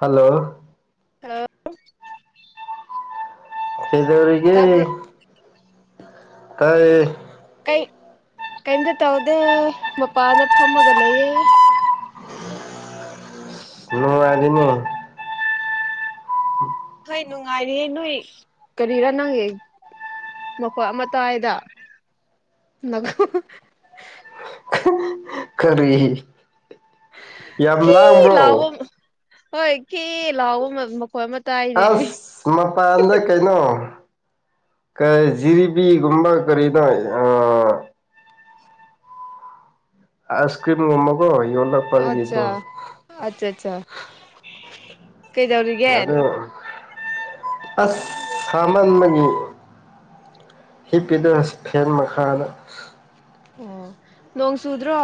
Hello hello ꯀꯩꯗꯧꯔꯤꯒꯦ ꯇꯥꯕ꯭ꯔꯣ ꯇꯥꯏ ꯀꯩ ꯀꯩꯝꯇ ꯇꯧꯗꯦ ꯃꯄꯥꯗ ꯐꯝꯃꯒ ꯂꯩꯌꯦ ꯅꯨꯡꯉꯥꯢꯔꯤꯃꯣ ꯍꯣꯏ ꯅꯨꯡꯉꯥꯏꯔꯤꯌꯦ ꯅꯣꯏ ꯀꯔꯤꯔꯥ ꯅꯪꯒꯤ ꯃꯈꯣꯜ ꯑꯃ ꯇꯥꯏꯗ ꯅꯈꯣꯟ ꯀꯔꯤ ꯌꯥꯝ ꯀꯤ ꯂꯥꯡꯕ꯭ꯔꯣ ꯂꯥꯎꯕ ꯍꯣꯏ ꯀꯤ... ꯂꯥꯎꯕ ꯃ ꯃꯈꯣꯏ ꯑꯃ ꯇꯥꯏꯅꯦ ꯑꯁ ꯃꯄꯥꯟꯗ ꯀꯩꯅꯣ ꯀ ꯖꯤꯔꯤꯕꯤꯒꯨꯝꯕ ꯀꯔꯤꯅꯣ ꯑ ꯑꯥꯏꯁꯀ꯭ꯔꯤꯝ ꯒꯨꯝꯕꯀꯣ ꯌꯣꯜꯂꯣ ꯑꯆꯥ ꯑꯆꯥꯆꯥ ꯑꯗꯨ ꯑꯁ ꯁꯃꯥꯟꯕꯒꯤ ꯍꯤꯞꯄꯤꯗ ꯐꯦꯟ ꯃꯈꯥꯗ ꯑꯣ ꯅꯣꯡ ꯆꯨꯗ꯭ꯔꯣ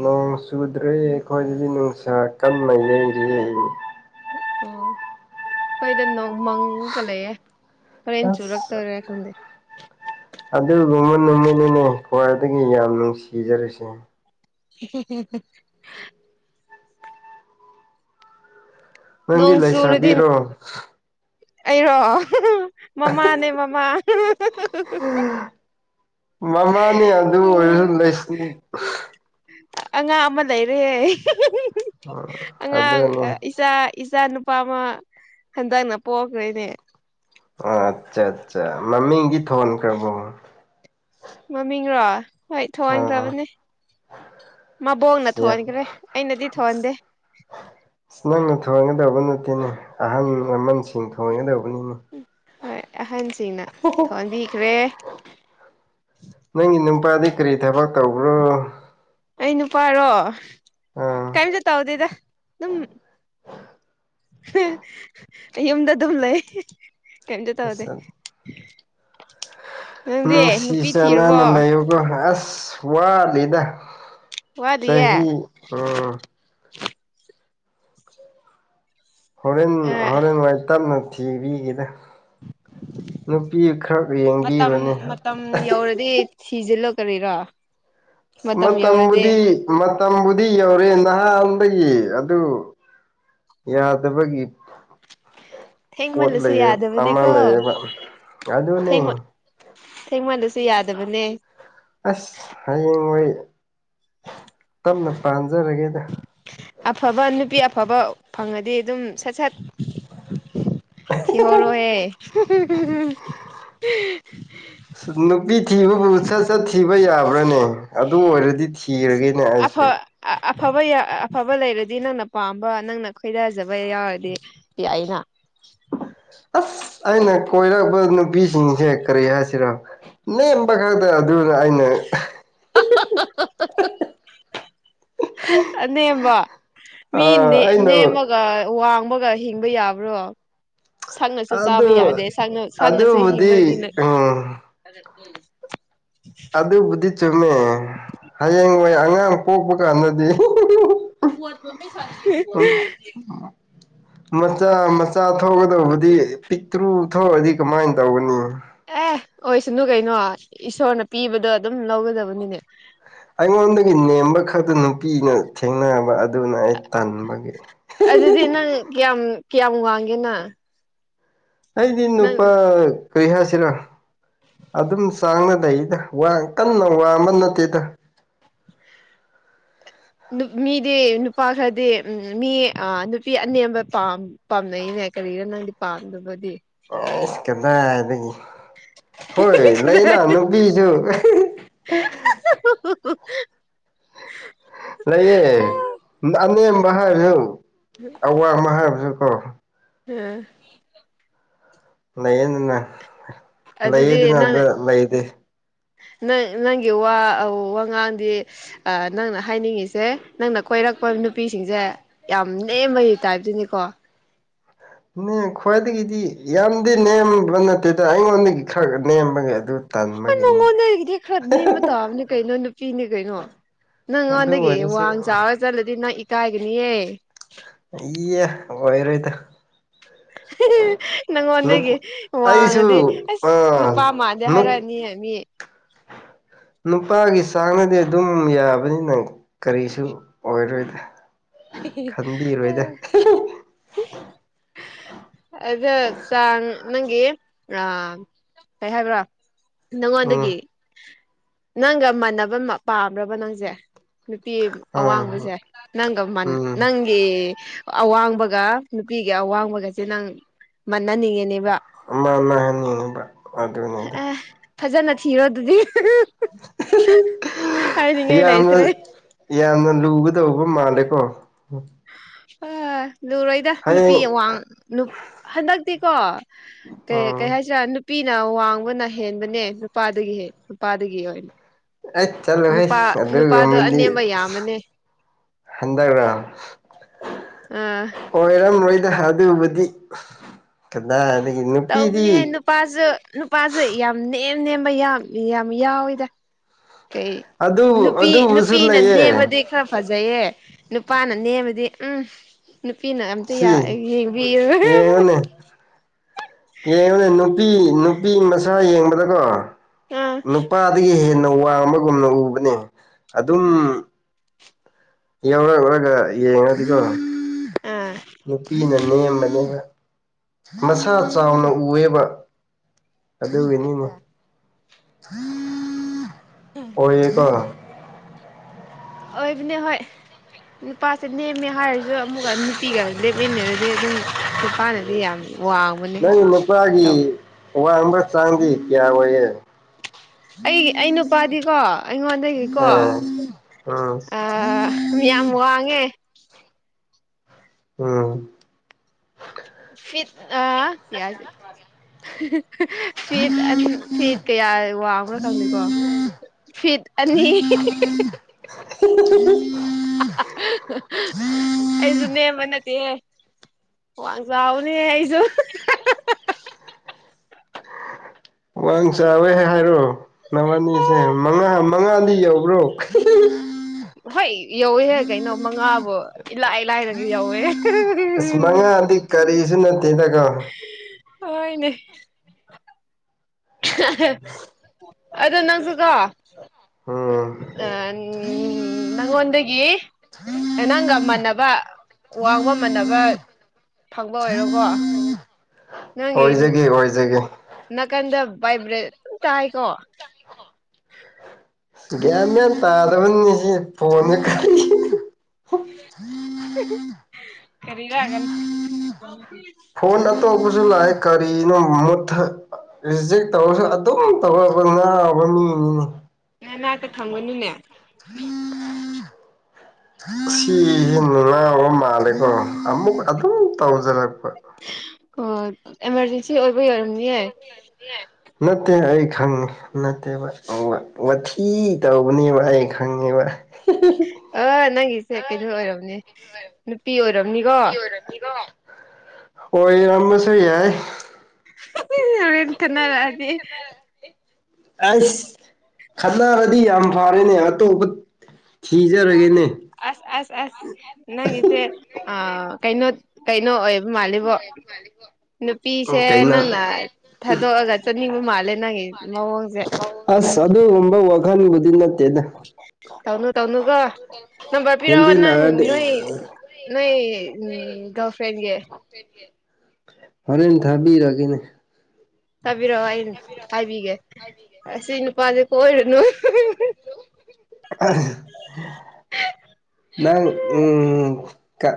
ꯅꯣꯡ ꯆꯨꯗ꯭ꯔꯦ ꯑꯩꯈꯣꯏꯗꯗꯤ ꯅꯨꯡꯁꯥ ꯀꯅ ꯌꯩꯔꯤꯌꯦ ꯑꯣ ꯑꯩꯈꯣꯏꯗ ꯅꯣꯡ ꯃꯪꯒ ꯂꯩꯌꯦ ꯍꯣꯔꯦꯟ ꯑꯁ ꯆꯨꯔꯛꯇꯣꯢꯔ ꯈꯪꯗꯦ ꯑꯗꯨꯒꯨꯝꯕ ꯅꯨꯃꯤꯠꯅꯤꯅꯦ ꯈ꯭ꯋꯥꯏꯗꯒꯤ ꯌꯥꯝ ꯅꯨꯡꯁꯤꯖꯔꯁꯦ [unintelligible] ꯅꯪꯗꯤ ꯅꯣꯡ ꯆꯨꯔꯗꯤ ꯂꯩꯥꯁꯥꯕꯤꯔꯣ ꯑꯩꯔꯣ ꯃꯃꯥꯅꯦ ꯃꯃꯥ ꯃꯃꯥꯅꯦ ꯑꯗꯨ ꯑꯣꯏꯔ ꯂꯩꯁꯤ ꯑꯉꯥꯡ ꯑꯃ ꯂꯩꯔꯦ ꯑꯉꯥꯡ ꯑꯗꯨꯅꯦ ꯑ ꯏꯆꯥ ꯏꯆꯥ ꯅꯨꯄꯥ ꯑꯃ ꯍꯟꯗꯛꯅ ꯄꯣꯛꯈꯔꯦꯅꯦ ꯑ ꯑꯠꯆꯥ ꯑꯠꯆꯥ ꯃꯃꯤꯡꯗꯤ ꯊꯣꯟꯈ꯭ꯔꯕꯣ ꯃꯃꯤꯡꯔꯣ ꯍꯣꯏ ꯑꯥ ꯊꯣꯟꯈ꯭ꯔꯕꯅꯦ ꯃꯕꯣꯡꯅ ꯑꯁ ꯌꯥꯝ ꯊꯣꯟꯈ꯭ꯔꯦ ꯑꯩꯅꯗꯤ ꯊꯣꯟꯗꯦ ꯅꯪꯅ ꯊꯣꯟꯒꯗꯕ ꯅꯠꯇꯦꯅꯦ ꯑꯍꯜ ꯂꯃꯟꯁꯤꯡ ꯊꯣꯟꯒꯗꯕꯅꯤꯅꯦ ꯍꯣꯏ ꯑꯍꯟꯁꯤꯡꯅ ꯊꯣꯟꯕꯤꯈ꯭ꯔꯦ ꯅꯪꯒꯤ ꯅꯨꯄꯥꯗꯤ ꯀꯔꯤ ꯊꯕꯛ ꯇꯧꯕ꯭ꯔꯣ ꯑꯩ ꯅꯨꯄꯥꯔꯣ ꯑꯥ ꯀꯩꯏꯝꯇ ꯇꯧꯗꯦꯗ ꯑꯗꯨꯝ ꯌꯨꯝꯗ ꯑꯗꯨꯝ ꯂꯩ ꯀꯩꯏꯝꯇ ꯇꯧꯗꯦ ꯑꯁ ꯅꯪꯗꯤ ꯅꯨꯡꯁꯤ ꯅꯨꯄꯤ ꯊꯤꯔꯕꯣ ꯆꯥꯟꯅꯅ ꯂꯩꯌꯨꯀꯣ ꯑꯁ ꯋꯥꯠꯂꯤꯗ ꯋꯥꯠꯂꯤꯌꯦ ꯆꯍꯤ ꯎꯝ ꯍꯣꯔꯦꯟ ꯑꯥ ꯍꯣꯔꯦꯟ ꯋꯥꯏ ꯇꯞꯅ ꯊꯤꯕꯤꯒꯦꯗ ꯅꯨꯄꯤ ꯈꯔ ꯌꯦꯡꯕꯤꯔꯣꯅꯦ ꯀꯔꯤ ꯊꯤꯖꯤꯜꯂꯣ ꯀꯔꯤꯔꯥ ꯃꯇꯝꯕꯨꯗꯤ ꯃꯇꯝꯕꯨꯗꯤ ꯌꯧꯔꯦ ꯅꯍꯥꯟꯗꯒꯤ ꯑꯗꯨ ꯌꯥꯗꯕꯒꯤ ꯄꯣꯠ ꯊꯦꯡꯃꯜꯂꯁꯨ ꯂꯩꯑꯦ ꯑꯃ ꯌꯥꯗꯕꯅꯦꯀꯣ ꯂꯩꯌꯦꯕ ꯑꯗꯨꯅꯤ ꯊꯦꯡꯃꯟꯂꯁꯨ ꯌꯥꯗꯕꯅꯦ ꯑꯁ ꯍꯌꯦꯡ ꯋꯥꯏ ꯇꯞꯅ ꯄꯥꯟꯖꯔꯒꯦꯗ ꯑꯐꯕ ꯅꯨꯄꯤ ꯑꯐꯕ ꯐꯪꯉꯗꯤ ꯑꯗꯨꯝ ꯁꯠ ꯁꯠ ꯊꯤꯍꯧꯔꯣꯍꯦ ꯅꯨꯄꯤ ꯊꯤꯕꯕꯨ ꯁꯠ ꯁꯠ ꯊꯤꯕ ꯌꯥꯕ꯭ꯔꯥꯅꯦ ꯑꯗꯨ ꯑꯣꯏꯔꯗꯤ ꯑꯁ ꯊꯤꯔꯒꯦꯅꯦ ꯑꯩꯁꯨ꯫ ꯑꯐ ꯑꯐꯕ ꯑꯐꯕ ꯂꯩꯔꯗꯤ ꯅꯪꯅ ꯄꯥꯝꯕ ꯅꯪꯅ ꯈꯣꯏꯗꯖꯕ ꯌꯥꯎꯔꯗꯤ ꯌꯥꯏꯅ꯫ ꯑꯁ ꯑꯩꯅ ꯀꯣꯏꯔꯛꯄ ꯅꯨꯄꯤꯁꯤꯡꯁꯦ ꯀꯔꯤ ꯍꯥꯏꯁꯤꯔꯥ ꯅꯦꯝꯕ ꯈꯛꯇ꯫ ꯑꯗꯨꯗ ꯑꯩꯅ ꯑꯅꯦꯝꯕ꯫ ꯃꯤ ꯑꯩꯅ ꯅꯦꯝꯃꯒ ꯋꯥꯡꯕꯒ ꯍꯤꯡꯕ ꯌꯥꯕ꯭ꯔꯣ꯫ ꯁꯛꯅꯁꯨ ꯆꯥꯕ ꯑꯗꯨ ꯌꯥꯗꯦ ꯁꯛꯅꯁꯨ ꯑꯗꯨꯕꯨꯗꯤ ꯍꯤꯡꯕꯒꯤꯅ ꯎꯝ ꯑꯗꯨꯕꯨꯗꯤ ꯆꯨꯝꯃꯦ ꯍꯌꯦꯡ ꯍꯣꯏ ꯑꯉꯥꯡ ꯄꯣꯛꯄ ꯀꯥꯟꯗꯗꯤ꯫ [unintelligible] [inaudible] ꯃꯆꯥ ꯃꯆꯥ ꯊꯣꯛꯀꯗꯧꯕꯗꯤ ꯄꯤꯛꯇ꯭ꯔꯨ ꯊꯣꯛꯑꯗꯤ ꯀꯃꯥꯏꯅ ꯇꯧꯒꯅꯤ꯫ ꯑꯦ ꯑꯣꯏ ꯁꯅꯨ ꯀꯩꯅꯣ ꯏꯁꯣꯔꯅ ꯄꯤꯕꯗꯣ ꯑꯗꯨꯝ ꯂꯧꯒꯗꯕꯅꯤꯅꯦ꯫ ꯑꯩꯉꯣꯟꯗꯒꯤ ꯅꯦꯝꯕ ꯈꯛꯇ ꯅꯨꯄꯤꯅ ꯊꯦꯡꯅꯕ ꯑꯗꯨꯅ ꯑꯩ ꯇꯟꯕꯒꯤ꯫ ꯑꯗꯨꯗꯤ ꯅꯪ ꯀꯌꯥꯝ ꯀꯌꯥꯝ ꯋꯥꯡꯒꯦ ꯅꯪ꯫ ꯑꯩꯗꯤ ꯅꯪ ꯅꯨꯄꯥ ꯀꯔꯤ ꯍꯥꯏꯁꯤꯔ ꯑꯗꯨꯝ ꯆꯥꯡꯕ ꯂꯩꯗ꯫ ꯋꯥꯡ ꯀꯟꯅ ꯋꯥꯡꯕ ꯅꯠꯇꯦꯗ꯫ ꯃꯤꯗꯤ ꯅꯨꯄꯥ ꯈꯔꯗꯤ ꯃꯤ ꯅꯨꯄꯤ ꯑꯅꯦꯝꯕ ꯄꯥꯝ ꯄꯥꯝꯅꯩꯅꯦ ꯀꯔꯤꯅ ꯅꯪꯗꯤ ꯄꯥꯝꯗꯕꯗꯤ꯫ ꯑꯩꯁ ꯀꯗꯥꯏꯗꯒꯤ ꯍꯣꯏ ꯂꯩꯅꯥ ꯅꯨꯄꯤꯁꯨ꯫ [unintelligible] ꯂꯩꯌꯦ ꯑꯅꯦꯝꯕ ꯍꯥꯏꯕꯖꯨ ꯑꯋꯥꯡꯕ ꯍꯥꯏꯕꯖꯨ ꯀꯣ꯫ ꯑꯥ꯫ ꯂꯩꯌꯦꯗꯅ꯫ ꯂꯩꯌꯦ ꯑꯗꯨꯗꯤ ꯑꯗꯨꯅ ꯅꯪ꯫ ꯑꯝꯇ ꯂꯩꯇꯦ ꯅꯪ ꯅꯪꯒꯤ ꯋꯥ ꯋꯥꯉꯥꯡꯗꯤ ꯅꯪꯅ ꯍꯥꯏꯅꯤꯡꯉꯤꯁꯦ ꯅꯪꯅ ꯀꯣꯏꯔꯛꯄ ꯅꯨꯄꯤꯁꯤꯡꯁꯦ ꯌꯥꯝ ꯅꯦꯝꯕꯒꯤ ꯇꯥꯏꯕꯇꯅꯤꯀꯣ ꯈ꯭ꯋꯥꯏꯗꯒꯤꯗꯤ ꯌꯥꯝꯗꯤ ꯅꯦꯝꯕ ꯅꯠꯇꯦꯗ ꯑꯩꯉꯣꯟꯗꯒꯤ ꯈꯔ ꯅꯦꯝꯕꯒꯤ ꯑꯗꯨ ꯍꯣꯢ ꯇꯟꯕꯒꯤꯅꯤꯗ ꯅꯪꯉꯣꯟꯗꯒꯤꯗꯤ ꯈꯔꯅꯦꯦꯝ ꯃꯇꯥꯕꯅꯦ ꯀꯩꯅꯣ ꯅꯨꯄꯤꯅꯦ ꯀꯩꯅꯣ ꯑꯗꯨ ꯅꯪꯉꯣꯟꯗꯒꯤ ꯑꯣꯏꯔꯁꯨ ꯋꯥꯡ ꯆꯥꯎꯔ ꯆꯠꯂꯗꯤ ꯅꯪ ꯏꯀꯥꯏꯒꯅꯤꯌꯦ ꯏꯌꯦ ꯑꯣꯏꯔꯣꯏꯗ ꯅꯪꯉꯣꯟꯗꯒꯤ ꯑꯩꯁꯨ ꯋꯥꯡꯉꯗꯤ ꯑꯁ ꯑꯥ ꯅꯨꯄꯥ ꯃꯥꯟꯗꯦ ꯅꯨꯞ ꯍꯥꯏꯔꯛꯑꯅꯤ ꯃꯤ ꯅꯨꯄꯥꯒꯤ ꯆꯥꯡꯅꯗꯤ ꯑꯗꯨꯝ ꯌꯥꯕꯅꯤꯅ ꯀꯔꯤꯁꯨ ꯑꯣꯏꯔꯣꯏꯗ ꯑ ꯈꯟꯕꯤꯔꯣꯏꯗ [unintelligible] [inaudible] ꯑꯗꯨ ꯆꯥꯡ ꯅꯪꯒꯤ ꯀꯩ ꯍꯥꯏꯕ꯭ꯔꯥ ꯎꯝ ꯅꯪꯉꯣꯟꯗꯒꯤ ꯅꯪꯒ ꯃꯥꯟꯅꯕ ꯄꯥꯝꯕ꯭ꯔꯥꯕ ꯅꯪꯁꯦ ꯅꯨꯄꯤ ꯑꯥ ꯑꯋꯥꯡꯕꯁꯦ ꯅꯪꯒ ꯎꯝ ꯅꯪꯒꯤ ꯑꯋꯥꯡꯕꯒ ꯅꯨꯄꯤꯒꯤ ꯑꯋꯥꯡꯕꯒꯁꯦ ꯅꯪ ꯃꯅꯅꯤꯡꯉꯦꯅꯦꯕ ꯃꯥ ꯃꯥꯅꯅꯤꯡꯕ ꯑꯦ ꯐꯖꯅ ꯊꯤꯔꯣ ꯑꯗꯨꯗꯤ ꯍꯥꯏꯅꯤꯡꯉꯥꯏ ꯌꯥꯝꯅ ꯂꯩꯇ꯭ꯔꯦ ꯌꯥꯝꯅ ꯂꯨꯒꯗꯧꯕ ꯃꯥꯜꯂꯦꯀꯣ ꯑ ꯂꯨꯔꯣꯏꯗ ꯅꯨꯄꯤ ꯍꯌꯦꯡ ꯑꯋꯥꯡ ꯍꯟꯗꯛꯇꯤꯀꯣ ꯀꯩ ꯀꯩ ꯎꯝ ꯍꯥꯢꯁꯤꯔꯥ ꯑ ꯅꯨꯄꯤꯅ ꯋꯥꯡꯕꯅ ꯍꯦꯟꯕꯅꯦ ꯅꯨꯄꯥꯗꯒꯤ ꯍ ꯅꯨꯄꯥꯗꯒꯤ ꯍꯣꯢ ꯑ ꯆꯠꯂꯣꯍꯦ ꯑꯗꯨꯒꯨꯝꯕꯗꯤ ꯑꯅꯦꯝꯕ ꯌꯥꯝꯕꯅꯦ ꯍꯟꯗꯥꯛꯔ ꯑꯝ ꯑꯣꯏꯔꯝꯔꯣꯏꯗ ꯑꯗꯨꯕꯨꯗꯤ ꯀꯗꯥꯏꯗꯒꯤ ꯅꯨꯄꯤꯗꯤ ꯇꯧꯕꯅꯦꯍꯦ ꯅꯨꯄꯥꯁꯨ ꯅꯨꯄꯥꯁꯨ ꯌꯥꯝ ꯅꯦꯝ ꯅꯦꯝꯕ ꯌꯥꯝ ꯌꯥꯝ ꯌꯥꯎꯋꯤꯗ ꯀꯩ ꯑꯗꯨ ꯅꯨꯄꯤ ꯑꯗꯨꯕꯨꯁꯨ ꯅꯨꯄꯤꯅ ꯂꯩꯌꯦ ꯅꯦꯝꯃꯗꯤ ꯈꯔ ꯐꯖꯩꯌꯦ ꯅꯨꯄꯥꯅ ꯅꯦꯝꯕꯗꯤ ꯎꯝ ꯅꯨꯄꯤꯅ ꯑꯝꯇ ꯁꯤ ꯌꯦꯡꯕꯤꯔꯔꯣꯢ ꯌꯦꯡꯉꯨꯅꯦ ꯌꯦꯡꯉꯨꯅꯦ ꯅꯨꯄꯤ ꯅꯨꯄꯤ ꯃꯆꯥ ꯌꯦꯡꯕꯗꯀꯣ ꯑꯥ ꯅꯨꯄꯥ ꯒꯤ ꯍꯦꯟꯅ ꯋꯥꯡꯕꯒꯨꯝꯅ ꯎꯕꯅꯦ ꯑꯗꯨꯝ ꯌꯥꯎꯔꯛꯔꯒ ꯌꯦꯡꯑꯗꯤꯀꯣ ꯑꯥ ꯅꯨꯄꯤꯅ ꯅꯦꯝꯕꯅꯦꯕ ꯃꯁꯥ ꯆꯥꯎꯅ ꯎꯑꯦꯕ ꯑꯗꯨꯒꯤꯅꯤꯅꯦ ꯑꯣꯏꯌꯦꯒꯣ ꯑꯣꯏꯕꯅꯦ ꯍꯣꯏ ꯅꯨꯄꯥꯁꯦ ꯅꯦꯝꯃꯦ ꯍꯥꯏꯔꯁꯨ ꯑꯗꯨ ꯑꯃꯨꯛꯀ ꯅꯨꯄꯤꯒ ꯂꯦꯞꯃꯤꯟꯅꯔꯗꯤ ꯑꯗꯨꯝ ꯅꯨꯄꯥꯅꯗꯤ ꯌꯥꯝ ꯋꯥꯡ ꯅꯪꯒꯤ ꯅꯨꯄꯥꯒꯤ ꯋꯥꯡꯕ ꯆꯥꯡꯗꯤ ꯀꯌꯥ ꯑꯣꯏꯌꯦ ꯑꯩꯒꯤ ꯑꯩ ꯅꯨꯄꯥꯗꯤꯀꯣ ꯑꯩꯉꯣꯟꯗꯒꯤꯀꯣ ꯑꯥ ꯎꯝ ꯑ ꯃꯌꯥꯝ ꯋꯥꯡꯉꯦ ꯎꯝ ꯐꯤꯠ ꯑ ꯐ ꯐ ꯑ ꯐꯤꯠ ꯀꯌꯥ ꯋꯥꯡꯕ꯭ꯔꯥ ꯈꯪꯗꯦꯀꯣ ꯐꯤꯠ ꯑꯅꯤ [unintelligible] ꯑꯩꯁꯨ ꯅꯦꯝꯕ ꯅꯠꯇꯦꯍꯦ ꯋꯥꯡ ꯆꯥꯎꯅꯦꯍꯦ ꯑꯩꯁꯨ ꯋꯥꯡ ꯆꯥꯎꯋꯦ ꯍꯥꯏꯔꯣ ꯅꯕꯅꯤꯁꯦ ꯃꯉꯥ ꯃꯉꯥꯗꯤ ꯌꯧꯕ꯭ꯔꯣ ꯍꯣꯏ ꯌꯧꯋꯦꯍꯦ ꯀꯩꯅꯣ ꯃꯉꯥꯕꯨ ꯏꯂꯥꯏ ꯂꯥꯏꯅ ꯌꯧꯋꯦꯍꯦ ꯑꯁ ꯃꯉꯥꯗꯤ ꯀꯔꯤꯁꯨ ꯅꯠꯇꯦꯅꯒꯣ ꯍꯣꯏꯅꯦ ꯑꯗꯣ ꯅꯪꯁꯨ ꯀꯣ ꯎꯝ ꯑꯥ ꯅꯪꯉꯣꯟꯗꯒꯤ ꯅꯪꯒ ꯃꯥꯟꯅꯕ ꯋꯥꯡꯕ ꯃꯥꯟꯅꯕ ꯐꯪꯕ ꯑꯣꯏꯔꯣꯀꯣ ꯅꯪꯒꯤ ꯄꯤꯖꯒꯦ ꯅꯥꯀꯟꯗ ꯕꯥꯏꯕ꯭ꯔꯦꯠ ꯇꯥꯏꯀꯣ [inaudible] ꯒ꯭ꯌꯥꯟ ꯃꯦꯟ ꯇꯥꯗꯕꯅꯤꯅꯦ ꯐꯣꯟꯁꯦ ꯀꯔꯤꯔ ꯌꯥꯝ ꯐꯣꯟ ꯑꯇꯣꯞꯕꯁꯨ ꯂꯥꯛꯑꯦ ꯀꯔꯤꯅꯣ ꯃꯨꯠ ꯔꯤꯖꯦꯛ ꯇꯧꯔꯁꯨ ꯑꯗꯨꯝ ꯇꯧꯔꯕ ꯉꯥꯎꯕ ꯃꯤꯅꯤꯅꯦ ꯅꯅꯥꯛꯇ ꯊꯝꯒꯅꯤꯅꯦ [unintelligible] ꯁꯤꯁꯤ ꯅꯨꯡꯉꯥꯎꯕ ꯃꯥꯜꯂꯦꯀꯣ ꯑꯃꯨꯛ ꯑꯗꯨꯝ ꯇꯧꯖꯔꯛꯄ ꯑꯣ ꯑꯦꯃꯥꯔꯖꯦꯟꯁꯤ ꯑꯣꯏꯕ ꯑꯣꯏꯔꯝꯅꯤꯌꯦ ꯅꯠꯇꯦ ꯑꯩ ꯈꯪꯉꯤ ꯅꯠꯇꯦꯕ ꯋꯥꯊꯤ ꯇꯧꯕꯅꯦꯕ ꯑꯩ ꯈꯪꯉꯦꯕ ꯑ ꯅꯪꯒꯤꯁꯦ ꯀꯩꯅꯣ ꯑꯣꯏꯔꯕꯝꯅꯦ ꯅꯨꯄꯤ ꯑꯣꯏ ꯅꯨꯄꯤ ꯑꯣꯢꯔꯝꯅꯤꯀꯣ ꯑꯣꯢꯔꯝꯃꯁꯨ ꯌꯥꯢ ꯍꯣꯔꯦꯟ ꯈꯠꯅꯔꯛꯑꯗꯤ ꯑꯁ ꯈꯠꯅꯔꯗꯤ ꯌꯥꯝ ꯐꯔꯦꯅꯦ ꯑꯇꯣꯞꯄ ꯊꯤꯖꯔꯒꯦꯅꯦ ꯑꯁ ꯑꯁ ꯑꯁ ꯅꯪꯖꯦ ꯑ ꯀꯩꯅꯣ ꯀꯩꯅꯣ ꯑꯣꯏꯕ ꯃꯥꯜꯂꯤꯕꯣ ꯅꯨꯄꯤꯁꯦ ꯀꯩꯅꯣ ꯅꯪꯅ ꯊꯥꯗꯣꯛꯑꯒ ꯆꯅꯤꯡꯕ ꯃꯥꯜꯂꯦ ꯅꯪꯒꯤ ꯃꯑꯣꯡꯖꯦ ꯑꯁ ꯑꯗꯨꯒꯨꯝꯕ ꯋꯥꯈꯜꯕꯨꯗꯤ ꯅꯠ ꯇꯧꯅꯨ ꯇꯧꯅꯀꯣ ꯅꯝꯕꯔ ꯄꯤꯔꯛꯑꯣ ꯅꯪ ꯍꯦꯟꯖꯤꯜꯂꯛꯑꯗꯤ ꯅꯣꯏ ꯅꯣꯏ ꯎꯝ ꯒꯥꯜꯐ꯭ꯔꯦꯟꯒꯤ ꯇꯦꯐꯤ ꯍꯣꯔꯦꯟ ꯊꯥꯕꯤꯔꯛꯑꯒꯦꯅꯦ ꯇꯥꯕꯤꯔꯛꯑꯣ ꯑ ꯍꯥꯏꯕꯤꯒꯦ ꯑꯁꯤ ꯅꯨꯄꯥꯖꯦ [unintelligible] ꯅꯪ ꯎꯝ ꯀ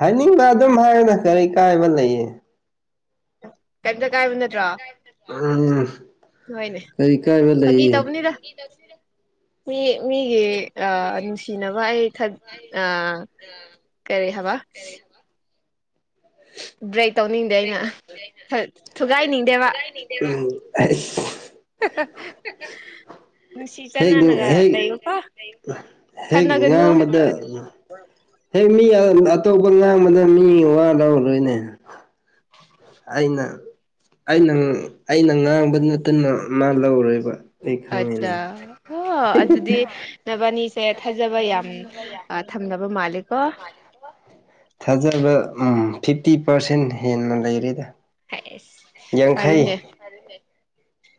ꯍꯥꯏꯅꯤꯡꯕ ꯑꯗꯨꯝ ꯍꯥꯏꯌꯨꯗ ꯀꯔꯤ ꯀꯥꯏꯕ ꯂꯩꯌꯦ ꯀꯦꯝꯇ ꯀꯥꯏꯕ ꯅꯠꯇ꯭ꯔꯣ ꯎꯝ ꯍꯣꯏꯅꯦ ꯀꯔꯤ ꯀꯥꯏꯕ ꯐꯥꯒꯤ ꯂꯩꯌꯦ ꯇꯧꯕꯅꯤꯗ ꯃꯤ ꯃꯤꯒꯤ ꯑ ꯅꯨꯡꯁꯤꯅꯕ ꯑꯩ ꯊꯠ ꯑ ꯀꯔꯤ ꯍꯥꯏꯕ ꯀꯔꯤ ꯍꯥꯢꯕ ꯕ꯭ꯔꯦꯛ ꯇꯧꯅꯤꯡꯗꯦ ꯑꯩꯅ ꯊ ꯊꯨꯒꯥꯏꯅꯤꯡꯗꯦꯕ ꯎꯝ ꯑꯁ [unintelligible] ꯅꯨꯡꯁꯤ ꯍꯦꯛ ꯆꯅꯅꯒ ꯍꯦꯛ ꯂꯩꯩꯌꯨꯀꯣ ꯈꯅꯥꯒꯅꯨ ꯑ ꯍꯦꯛ ꯃꯤ ꯑ ꯑꯇꯣꯞꯄ ꯉꯥꯡꯕꯗ ꯃꯤ ꯋꯥ ꯂꯧꯔꯣꯏꯅꯦ ꯑꯩꯅ ꯑꯩꯅ ꯑꯩꯅ ꯉꯥꯡꯕ ꯅꯠꯇꯅ ꯃꯥ ꯂꯧꯔꯣꯏꯕ ꯑꯩ ꯑꯆꯥ ꯈꯪꯉꯤꯅꯦ ꯍ ꯑꯗꯨꯗꯤ ꯅꯕꯥꯅꯤꯁꯦ ꯊꯥꯖꯕ ꯌꯥꯝ ꯊꯝꯅꯕ ꯃꯥꯂꯦ ꯀꯣ ꯊꯥꯖꯕ ꯎꯝ ꯐꯤꯐꯇꯤ ꯄꯥꯔꯁꯦꯟ ꯍꯦꯟꯅ ꯂꯩꯔꯦꯗ ꯍꯥꯏꯁ ꯌꯥꯡꯈꯩ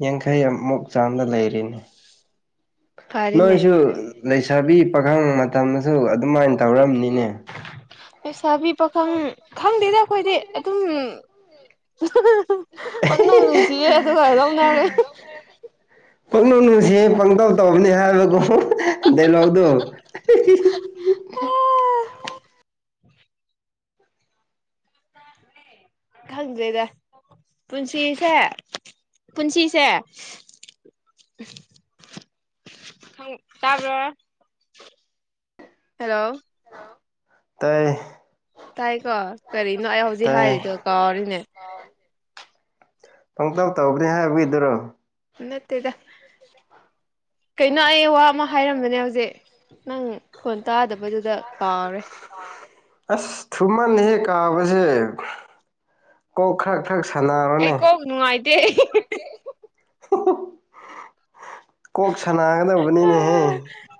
ꯌꯥꯡꯈꯩ ꯑꯃꯨꯛ ꯆꯥꯝꯗ ꯂꯩꯔꯤꯅꯤ ꯐꯔꯦꯅꯦ ꯅꯣꯏꯁꯨ ꯂꯩꯁꯥꯕꯤ ꯄꯥꯈꯪ ꯃꯇꯝꯗꯁꯨ ꯑꯗꯨꯃꯥꯏ ꯇꯧꯔꯝꯅꯤꯅꯦ ꯂꯩꯁꯥꯕꯤ ꯄꯥꯈꯪ ꯈꯪꯗꯦꯗ ꯑꯩꯈꯣꯏꯗꯤ ꯑꯗꯨꯝ ꯄꯪ ꯅꯨꯡ ꯅꯨꯡꯁꯤꯌꯦ ꯑꯗꯨꯃꯥꯏꯅ ꯂꯧꯅꯔꯦ ꯄꯪꯅꯨꯡ ꯅꯨꯡꯁꯤ ꯄꯪꯇꯧ ꯇꯧꯕꯅꯤ ꯍꯥꯏꯕꯀꯣ ꯗꯥꯏꯂꯣꯛꯗꯨꯣ ꯑꯥ.. ꯈꯪꯗ꯭ꯔꯦꯗ ꯄꯨꯟꯁꯤꯁꯦ ꯄꯨꯟꯁꯤꯁꯦ ꯇꯥꯕ꯭ꯔꯣ ꯍꯜꯂꯣ ꯇꯥꯢ ꯇꯥꯏꯀꯣ ꯀꯔꯤꯅꯣ ꯑꯩ ꯍꯧꯖꯤꯛ ꯇꯥꯏꯌꯦ ꯍꯥꯏꯔꯤꯗꯣ ꯀꯥꯎꯔꯤꯅꯦ ꯄꯪꯇꯧ ꯇꯧꯒꯅꯤ ꯍꯥꯏꯕꯒꯤꯗꯨꯔꯣ ꯅꯠꯇꯦꯗ ꯀꯩꯅꯣ ꯑꯩ ꯋꯥ ꯑꯃ ꯍꯥꯏꯔꯝꯕꯅꯦ ꯍꯧꯖꯤꯛ ꯅꯪ ꯈꯣꯟ ꯇꯥꯗꯕꯗꯨꯗ ꯀꯥꯎꯔꯦ ꯑꯣ ꯑꯁ ꯊꯨꯃꯟ ꯍꯦꯛ ꯀꯥꯎꯕꯁꯦ ꯀꯣꯛ ꯈꯔ ꯈꯔ ꯑꯩ ꯁꯥꯟꯅꯧꯅꯦ ꯀꯣꯛ ꯅꯨꯡꯉꯥꯏꯇꯦ ꯑꯣ [inaudible] ꯀꯣꯛ ꯁꯅꯥꯒꯗꯕꯅꯤꯅꯦꯍꯦ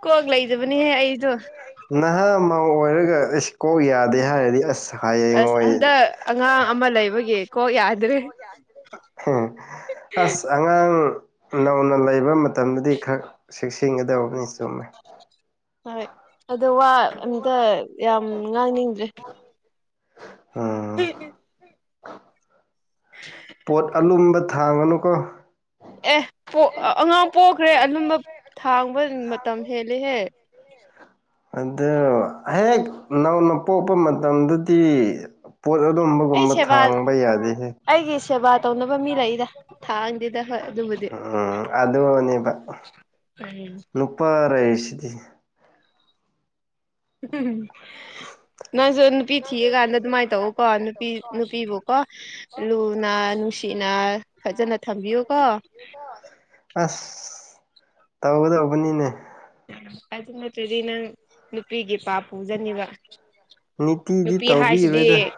ꯀꯣꯛ ꯂꯩꯗꯕꯅꯤꯍꯦ ꯑꯩꯗꯣ ꯅꯍꯥ ꯑꯃ ꯑꯣꯏꯔꯒ ꯑꯦꯁ ꯀꯣꯛ ꯌꯥꯗꯦ ꯍꯥꯏꯔꯗꯤ ꯑꯁ ꯍꯌꯦꯡ ꯑꯁ ꯑꯣꯏ ꯍꯟꯗꯛ ꯑꯉꯥꯡ ꯑꯃ ꯂꯩꯕꯒꯤ ꯀꯣꯛ ꯌꯥ ꯑꯁ ꯑꯉꯥꯡ ꯅꯧꯅ ꯂꯩꯕ ꯃꯇꯝꯗꯗꯤ ꯈꯔ ꯆꯦꯛꯁꯤꯟꯒꯗꯕꯅꯤ ꯆꯨꯝꯃꯦ ꯍꯣꯏ ꯑꯗꯣ ꯋꯥ ꯑꯝꯇ ꯌꯥꯝ ꯉꯥꯡꯅꯤꯡꯗ꯭ꯔꯦ ꯎꯝ [unintelligible] [inaudible] ꯄꯣꯠ ꯑꯂꯨꯝꯕ ꯊꯥꯡꯒꯅꯨꯀꯣ ꯑꯦ ꯄꯣꯛ ꯑꯉꯥꯡ ꯄꯣꯛꯈ꯭ꯔꯦ ꯑꯔꯨꯝꯕ ꯊꯥꯡꯕ ꯃꯇꯝ ꯍꯦꯂꯦꯍꯦ ꯑꯗꯨ ꯍꯦꯛ ꯅꯧꯅ ꯄꯣꯛꯄ ꯃꯇꯝꯗꯗꯤ ꯄꯣꯠ ꯑꯩ ꯑꯗꯨꯝꯕꯒꯨꯝꯕ ꯁꯦꯕꯥ ꯊꯥꯡꯕ ꯌꯥꯗꯦꯍꯦ ꯑꯩꯒꯤ ꯁꯦꯕꯥ ꯇꯧꯅꯕ ꯃꯤ ꯂꯩꯔꯦ ꯊꯥꯡꯗꯦꯗ ꯍꯣꯏ ꯑꯗꯨꯕꯨꯗꯤ ꯎꯝ ꯑꯗꯨꯅꯦꯕ ꯎꯝ ꯅꯨꯄꯥ ꯂꯩꯁꯤꯗꯤ ꯅꯪꯁꯨ ꯅꯨꯄꯤ ꯊꯤꯔꯀꯥꯟꯗ ꯑꯗꯨꯃꯥꯏ ꯇꯧ ꯀꯣ ꯅꯨꯄꯤ ꯅꯨꯄꯤꯕꯨ ꯀꯣ ꯂꯨꯅ ꯅꯨꯡꯁꯤꯅ ꯐꯖꯅ ꯊꯝꯕꯤꯌꯨꯀꯣ ꯑꯁ ꯇꯧꯒꯗꯧꯕꯅꯤꯅꯦ ꯑꯗꯨ ꯅꯠꯇ꯭ꯔꯗꯤ ꯅꯪ ꯅꯨꯄꯤꯒꯤ ꯄꯥꯞ ꯄꯨꯖꯅꯤꯕ ꯅꯤꯇꯤꯗꯤ ꯅꯨꯄꯤ ꯍꯥꯏꯁꯤꯗꯤ ꯇꯧꯕꯤꯔꯣꯏꯗ